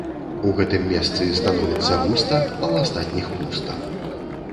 У гэтым месцы становіцца густа, а ў астатніх пуста.